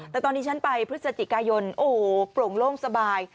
แต่ตอนนี้ฉันไปพฤศจิกายนโอ้โหโปร่งโล่งสบาย